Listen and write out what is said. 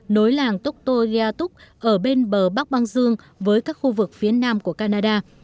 nối làng tukto yatuk ở bên bờ bắc băng dương với các khu vực phía nam của canada